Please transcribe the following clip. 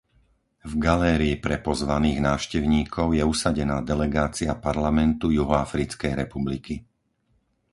V galérii pre pozvaných návštevníkov je usadená delegácia parlamentu Juhoafrickej republiky.